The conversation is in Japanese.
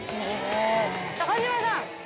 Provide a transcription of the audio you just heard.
高島さん！